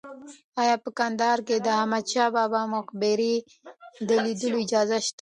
ایا په کندهار کې د احمد شاه بابا د مقبرې د لیدو اجازه شته؟